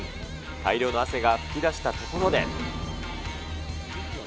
大量の汗が噴き出したところで。